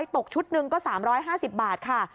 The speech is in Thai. ตกชุดหนึ่งก็๓๕๐บาทค่ะ